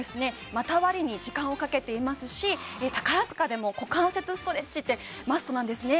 股割りに時間をかけていますし宝塚でも股関節ストレッチってマストなんですね